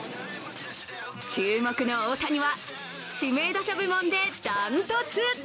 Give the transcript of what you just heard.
注目の大谷は、指名打者部門で断トツ！